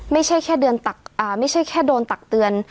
ไม่ใช่แค่โดนตักเตือนไม่ใช่แค่โดนหักคะแนน